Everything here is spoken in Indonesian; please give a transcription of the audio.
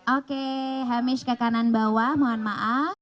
oke hamish ke kanan bawah mohon maaf